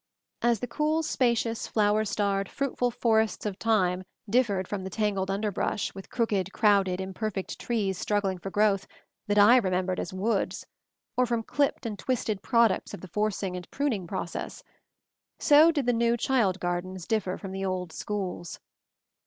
As the cool, spacious, flower starred, fruitful forests of this time differed from the tangled underbrush, with crooked, crowded, imperfect trees struggling for growth, that I remembered as "woods," or from clipped and twisted products of the forcing and pruning process ; so did the new child gardens differ from the old schools.